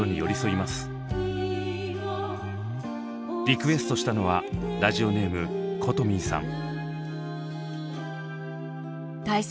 リクエストしたのはラジオネームことみんさん。